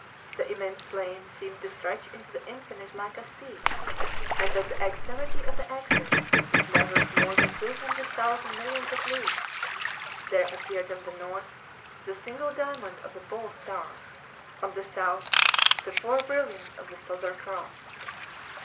The immense plain seemed to stretch into the infinite like a sea, and at the extremity of the axis, which measures more than two hundred thousand millions of leagues, there appeared on the north the single diamond of the pole star, on the south the four brilliants of the Southern Cross.